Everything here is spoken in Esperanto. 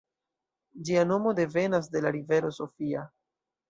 Ĝia nomo devenas de la rivero Sofia.